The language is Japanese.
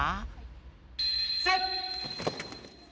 セット！